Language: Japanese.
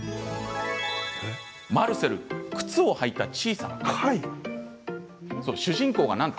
「マルセル靴をはいた小さな貝」。